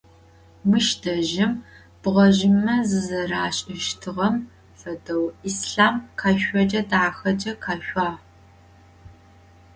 Мыщ дэжьым бгъэжъымэ зызэрашӏыщтыгъэм фэдэу Ислъам къэшъокӏэ дахэкӏэ къэшъуагъ.